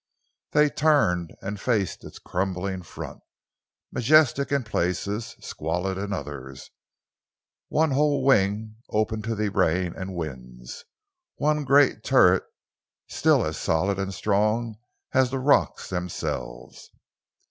They turned and faced its crumbling front, majestic in places, squalid in others, one whole wing open to the rain and winds, one great turret still as solid and strong as the rocks themselves.